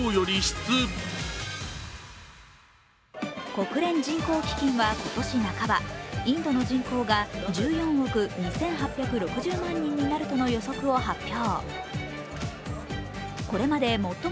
国連人口基金は今年半ば、インドの人口が１４億２８６０万人になるとの予測を発表。